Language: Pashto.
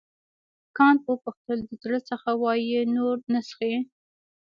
کانت وپوښتل د زړه څخه وایې نور نه څښې.